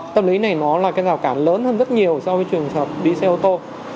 tâm lý này là rào cản lớn hơn rất nhiều so với trường hợp đi xe ô tô